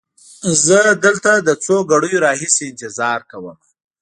زه دلته له څو ګړیو را هیسې انتظار کومه.